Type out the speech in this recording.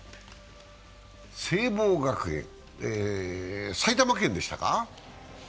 聖望学園、埼玉県でしたか。